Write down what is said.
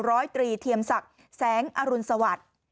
ร้อยตรีเทียมศักดิ์แสงอรุณสวัสดิ์